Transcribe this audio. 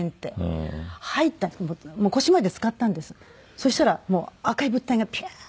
そしたら赤い物体がピュー。